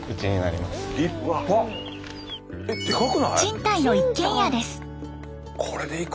賃貸の一軒家です。